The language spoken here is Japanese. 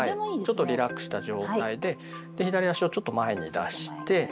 ちょっとリラックスした状態で左足をちょっと前に出して。